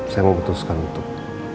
saya memutuskan untuk